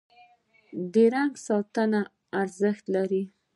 د رنګ ساتنه یې ارزښت لري.